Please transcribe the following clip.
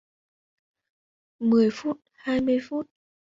mười phút hai mươi phút